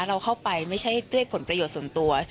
เราเข้าไปไม่ใช่ด้วยผลประโยชน์ส่วนตัว